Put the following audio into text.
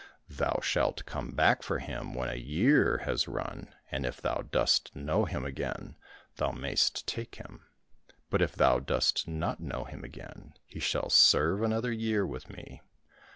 Thou shalt come back for him when a year has run, and if thou dost know him again, thou mayst take him ; but if thou dost not know him again, he shall serve another year with me."